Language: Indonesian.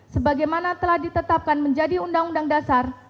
sebagaimana telah ditetapkan menjadi undang undang dasar